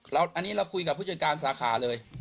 อันนี้เราคุยกับผู้จัดการสาขาเลย